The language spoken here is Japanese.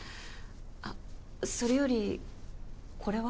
あっそれよりこれは？